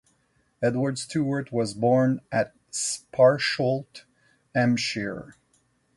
Edward Stewart, was born at Sparsholt, Hampshire.